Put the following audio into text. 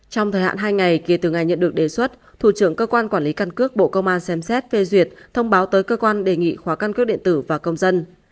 trong thời hạn hai ngày kể từ ngày nhận được đề xuất thủ trưởng cơ quan quản lý căn cước bộ công an xem xét phê duyệt thông báo tới cơ quan đề nghị khóa căn cước điện tử và công dân